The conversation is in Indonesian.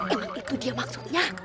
emang itu dia maksudnya